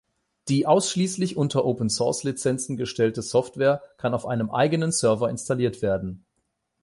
Die ausschließlich unter Open-Source-Lizenzen gestellte Software kann auf einem eigenen Server installiert werden.